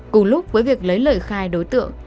cùng lúc với việc lấy lời khai đối tượng